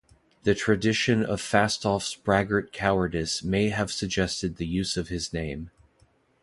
The tradition of Fastolf's braggart cowardice may have suggested the use of his name.